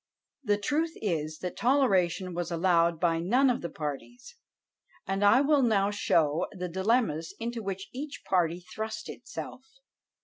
The truth is that TOLERATION was allowed by none of the parties! and I will now show the dilemmas into which each party thrust itself.